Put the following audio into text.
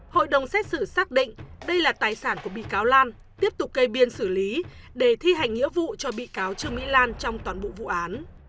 hội đồng xét xử xác định đây là tài sản của bị cáo lan tiếp tục cây biên xử lý để thi hành nghĩa vụ cho bị cáo trương mỹ lan trong toàn bộ vụ án